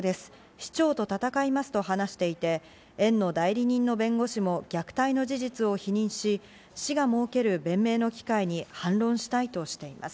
市長と戦いますと話していて、園の代理人の弁護士も虐待の事実を否認し、市が設ける弁明の機会に反論したいとしています。